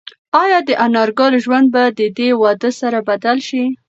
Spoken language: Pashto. ایا د انارګل ژوند به د دې واده سره بدل شي؟